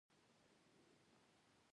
حکومت بايد د خلکو دهوسايي لپاره کار وکړي.